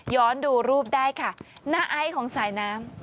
ดูรูปได้ค่ะหน้าไอซ์ของสายน้ำ